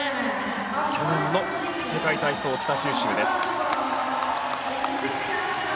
去年の世界体操北九州です。